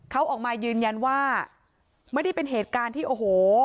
เขาออกมายืนยันว่าไม่ได้เป็นเหตุการณ์ที่โอ้โห